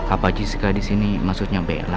apa jessica disini maksudnya bella